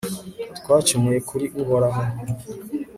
twacumuye kuri uhoraho